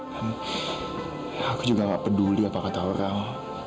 dan aku juga gak peduli apa kata orang